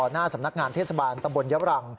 หน้าสำนักงานทศบาลตระบวนยาวรัง